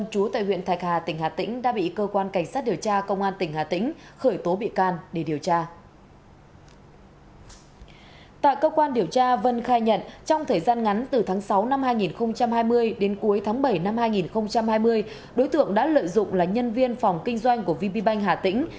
từ tháng sáu năm hai nghìn hai mươi đến cuối tháng bảy năm hai nghìn hai mươi đối tượng đã lợi dụng là nhân viên phòng kinh doanh của vp banh hà tĩnh